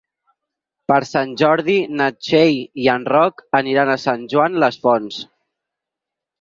Per Sant Jordi na Txell i en Roc aniran a Sant Joan les Fonts.